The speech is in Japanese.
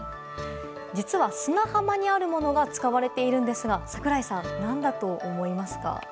実は、砂浜にあるものが使われているんですが櫻井さん、何だと思いますか？